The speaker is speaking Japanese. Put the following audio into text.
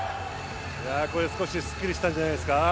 これで少しすっきりしたんじゃないですか？